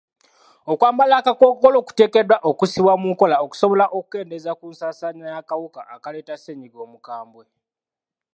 Okwambala akakkookolo kuteekeddwa okussibwa mu nkola okusobola okukendeeza ku nsaasaana y'akawuka akaleeta ssennyiga omukambwe.